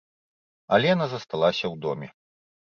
Алена засталася ў доме.